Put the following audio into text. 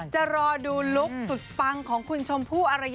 จะรอดูลุคสุดปังของคุณชมพู่อารยา